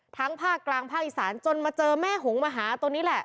ภาคกลางภาคอีสานจนมาเจอแม่หงมหาตัวนี้แหละ